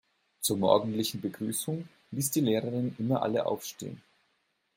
Zur morgendlichen Begrüßung ließ die Lehrerin immer alle aufstehen.